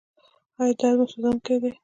ایا درد مو سوځونکی دی؟